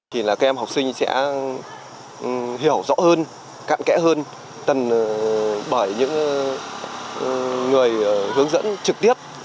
các em học sinh sẽ hiểu rõ hơn cạn kẽ hơn bởi những người hướng dẫn trực tiếp